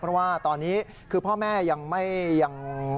เพราะว่าตอนนี้คือพ่อแม่ยังไม่ยัง